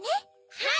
はい！